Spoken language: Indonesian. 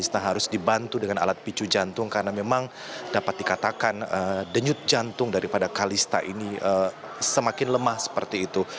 dengan alat picu jantung karena memang dapat dikatakan denyut jantung daripada kalista ini semakin lemah seperti itu